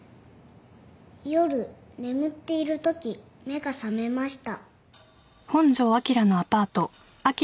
夜眠っているとき目が覚めました。